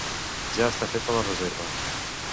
Ja està feta la reserva.